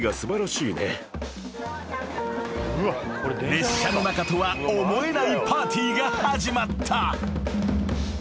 ［列車の中とは思えないパーティーが始まった］